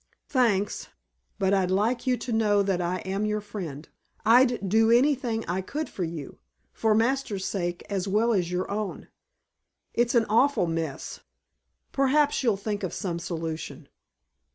"Thanks. But I'd like you to know that I am your friend. I'd do anything I could for you for Masters' sake as well as your own. It's an awful mess. Perhaps you'll think of some solution."